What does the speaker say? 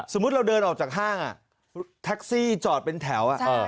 สมมุติเราเดินออกจากห้างแท็กซี่จอดเป็นแถว